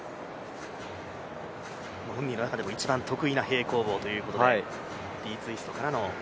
本人の中でも一番得意な平行棒ということでＤツイストからの。